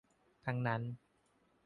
ทั้งนั้น